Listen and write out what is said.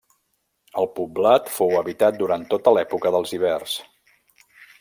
El poblat fou habitat durant tota l'època dels ibers.